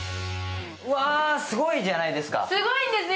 わー、すごいじゃないですか